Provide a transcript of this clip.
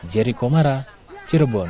jeri komara cirebon